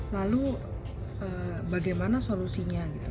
lalu bagaimana solusinya